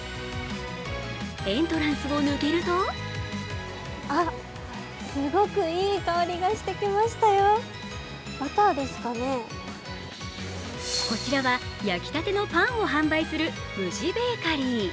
エントランスを抜けるとこちらは、焼きたてのパンを販売するＭＵＪＩＢａｋｅｒｙ。